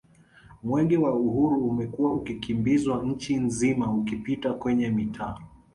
Mwenge wa Uhuru umekuwa ukikimbizwa Nchi nzima ukipita kwenye mitaa